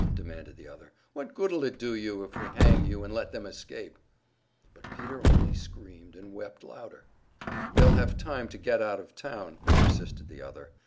demanded the other. "What good'll it do you if we hang you and let them escape?" But Peter only screamed and wept the louder. "They'll have time to get out of town," persisted the other.